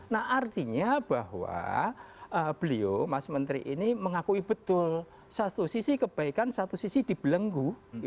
nah artinya bahwa beliau mas menteri ini mengakui betul satu sisi kebaikan satu sisi dibelenggu